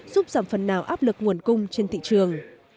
giúp giảm phần nào áp lực nguồn cung trên thị trường